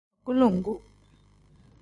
Agulongu.